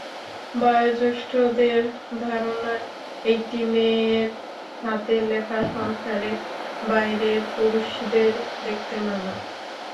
বয়োজ্যেষ্ঠদের ধারণা, একটি মেয়ের হাতের লেখা সংসারের বাইরের পুরুষদের দেখতে মানা।